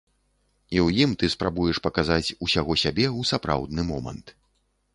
І ў ім ты спрабуеш паказаць усяго сябе ў сапраўдны момант.